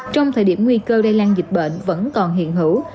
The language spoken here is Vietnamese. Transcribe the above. trong thời điểm nguy cơ lây lan dịch bệnh vẫn còn hiện hữu